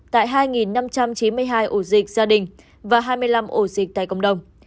tại hai năm trăm chín mươi hai ổ dịch gia đình và hai mươi năm ổ dịch tại cộng đồng